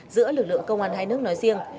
giữa lực lượng công an hai nước nói riêng